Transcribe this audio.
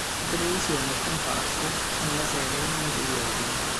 In televisione è comparso nella serie "Il nido di Robin".